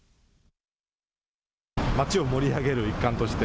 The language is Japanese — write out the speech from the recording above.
街を盛り上げる一環として。